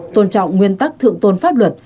tôn trọng nguyên tắc thượng tôn pháp luật